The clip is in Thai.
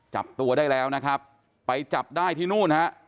จับตัวได้แล้วนะครับไปจับได้ที่นู่นฮะ